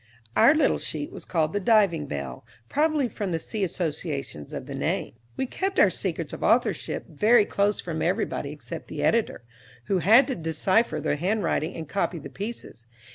Our little sheet was called "The Diving Bell," probably from the sea associations of the name. We kept our secrets of authorship very close from everybody except the editor, who had to decipher the handwriting and copy the pieces.